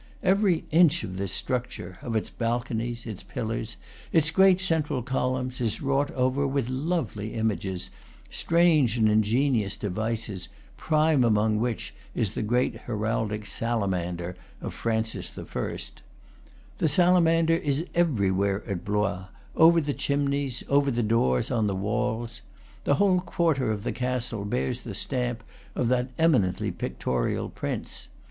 Every inch of this structure, of its balconies, its pillars, its great central columns, is wrought over with lovely images, strange and ingenious devices, prime among which is the great heraldic sala mander of Francis I. The salamander is everywhere at Blois, over the chimneys, over the doors, on the walls. This whole quarter , of the castle bears the stamp of that eminently pictorial prince.